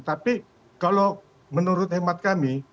tapi kalau menurut hemat kami